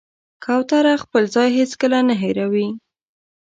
کوتره خپل ځای هېڅکله نه هېروي.